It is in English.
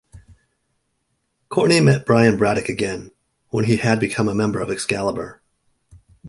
Courtney met Brian Braddock again, when he had become a member of "Excalibur".